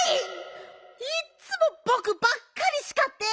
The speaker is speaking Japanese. いっつもぼくばっかりしかって！